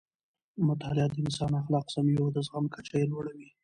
مطالعه د انسان اخلاق سموي او د زغم کچه یې لوړوي.